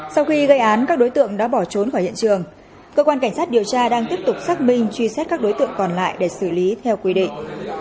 sau khi gây án các đối tượng đã bỏ trốn khỏi hiện trường cơ quan cảnh sát điều tra đang tiếp tục xác minh truy xét các đối tượng còn lại để xử lý theo quy định